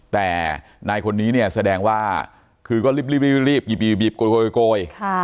แต่นายคนนี้เนี่ยแสดงว่าคือก็รีบบีบโกย